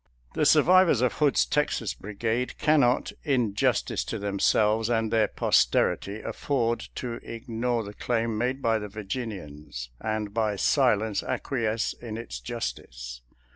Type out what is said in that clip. The survivors of Hood's Texas Brigade cannot in justice to them selves and their posterity afford to ignore the claim made by the Virginians, and by silence acquiesce in its justice.